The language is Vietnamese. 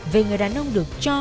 về người đàn ông được cho